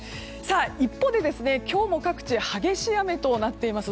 一方で今日も各地激しい雨となっています。